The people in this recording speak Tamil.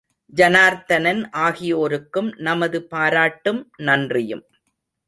ஜனார்த்தனன் ஆகியோருக்கும் நமது பாராட்டும், நன்றியும்!